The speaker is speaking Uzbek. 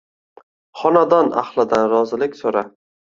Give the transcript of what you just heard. Xonadan ahlidan rozilik so`ra